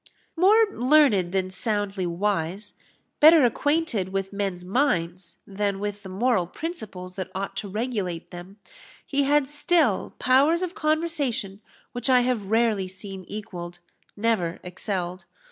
More learned than soundly wise better acquainted with men's minds than with the moral principles that ought to regulate them, he had still powers of conversation which I have rarely seen equalled, never excelled.